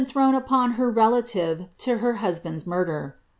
343 tioii thrown upon Jier relative to her husband^s murder.